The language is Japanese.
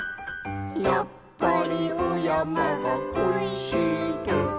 「やっぱりおやまがこいしいと」